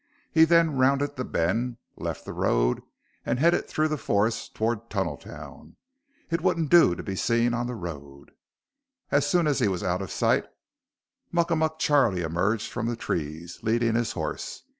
He then rounded the bend, left the road and headed through the forest toward Tunneltown. It wouldn't do to be seen on the road. As soon as he was out of sight, Muckamuck Charlie emerged from the trees, leading his horse.